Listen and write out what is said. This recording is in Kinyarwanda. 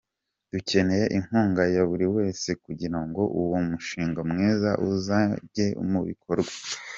Dukeneye inkunga ya buri wese kugira ngo uwo mushinga mwiza uzajye mu bikorwa.